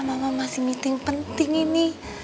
mama masih meeting penting ini